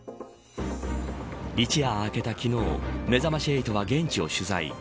一夜明けた昨日めざまし８は現地を取材。